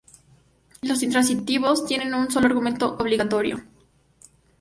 Los intransitivos tienen un solo argumento obligatorio.